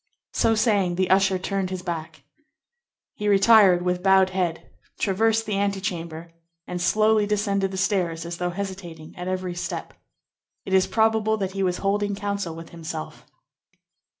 So saying, the usher turned his back. He retired with bowed head, traversed the antechamber, and slowly descended the stairs, as though hesitating at every step. It is probable that he was holding counsel with himself.